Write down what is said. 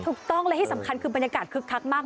ถูกต้องและที่สำคัญคือบรรยากาศคึกคักมาก